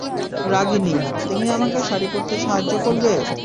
রাগিনী, তুমি আমাকে শাড়ি পরতে সাহায্য করবে?